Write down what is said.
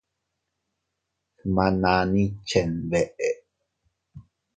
Gmananni chenbeʼe.